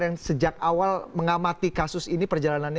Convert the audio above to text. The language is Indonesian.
yang sejak awal mengamati kasus ini perjalanannya